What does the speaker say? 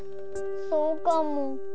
そうかも。